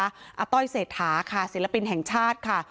อาต้อยเศรษฐาค่ะศิลปินแห่งชาติค่ะ